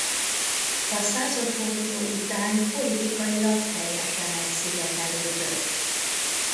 A századforduló után politikailag teljesen elszigetelődött.